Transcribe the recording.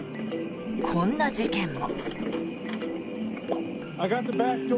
こんな事件も。